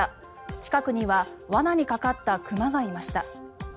近くには罠にかかった熊がいました。